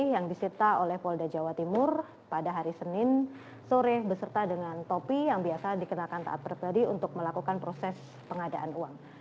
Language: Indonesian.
ini adalah kursi yang diperlukan oleh polda jawa timur pada hari senin sore beserta dengan topi yang biasa dikenakan saat saat tadi untuk melakukan proses pengadaan uang